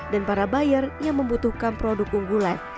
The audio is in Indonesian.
dan para buyer yang membutuhkan pemerintah